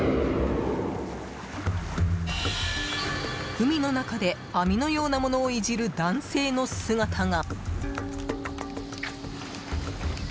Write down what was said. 海の中で網のようなものをいじる男性の姿が。